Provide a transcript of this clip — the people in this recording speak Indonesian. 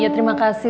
iya terima kasih